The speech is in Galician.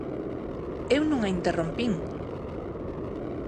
Eu non a interrompín.